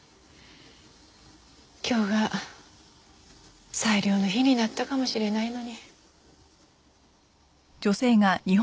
今日が最良の日になったかもしれないのに。